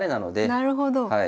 なるほど。